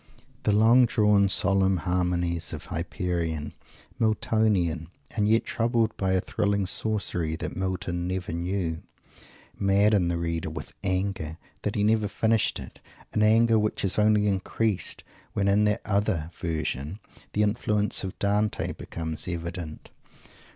The long drawn solemn harmonies of "Hyperion" Miltonian, and yet troubled by a thrilling sorcery that Milton never knew madden the reader with anger that he never finished it; an anger which is only increased when in that other "Version," the influence of Dante becomes evident.